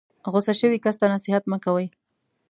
غسه شوي کس ته نصیحت مه کوئ.